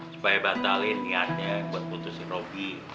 supaya batalin niatnya buat putusin roby